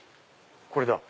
これだ！